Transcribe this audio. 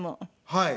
はい。